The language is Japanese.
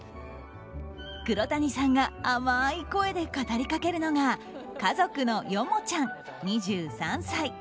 黒谷さんが甘い声で語りかけるのが家族のヨモちゃん、２３歳。